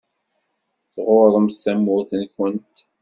Tɣuṛṛemt tamurt-nkent.